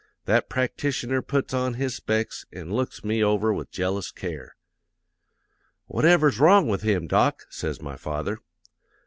That practitioner puts on his specs an' looks me over with jealous care. "'"Whatever's wrong with him, Doc?" says my father.